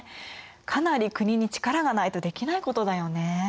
かなり国に力がないとできないことだよね。